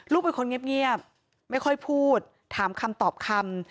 เป็นคนเงียบไม่ค่อยพูดถามคำตอบคำ